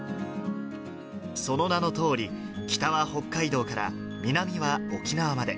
その名のとおり、北は北海道から南は沖縄まで。